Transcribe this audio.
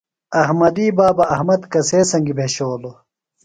احمدی بابہ احمد کسے سنگیۡ بھشولوۡ؟